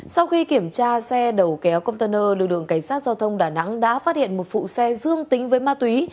sau khi kiểm tra xe đầu kéo container lực lượng cảnh sát giao thông đà nẵng đã phát hiện một phụ xe dương tính với ma túy